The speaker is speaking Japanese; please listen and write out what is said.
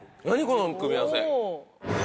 この組み合わせ。